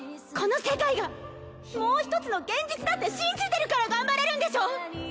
この世界がもう一つの現実だって信じてるから頑張れるんでしょう！？